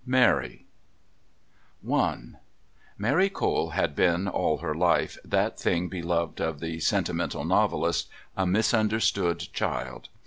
MARY I Mary Cole had been, all her life, that thing beloved of the sentimental novelist, a misunderstood child.